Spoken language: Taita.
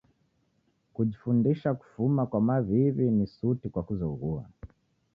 Kujifundisha kufuma kwa maw'iw'i ni suti kwa kuzoghua.